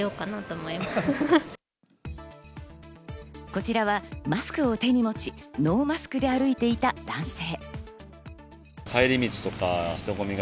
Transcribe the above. こちらはマスクを手に持ち、ノーマスクで歩いていた男性。